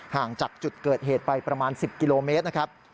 ห่างจากจุดเกิดเหตุไปประมาณ๑๐กิโลเมตรนะครับ